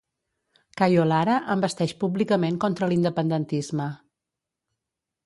Cayo Lara envesteix públicament contra l'independentisme